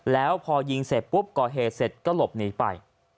แล้วพอยิงเสร็จปุ๊บก่อเหตุเสร็จก็หลบหนีไป